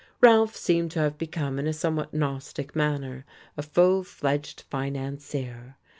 Ralph seemed to have become, in a somewhat gnostic manner, a full fledged financier.